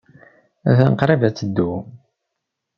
Attan qrib ad teddu.